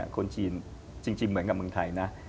คนจีนจริงเหมือนกับเมืองไทยนะ